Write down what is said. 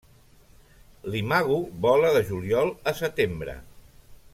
L'imago vola de juliol a setembre.